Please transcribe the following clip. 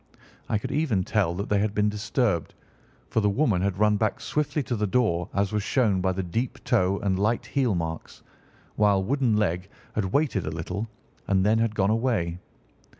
I could even tell that they had been disturbed, for the woman had run back swiftly to the door, as was shown by the deep toe and light heel marks, while Wooden leg had waited a little, and then had gone away.